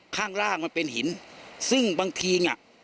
ข้างล่างมันเป็นหินซึ่งบางทีอ่ะ